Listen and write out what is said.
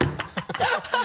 ハハハ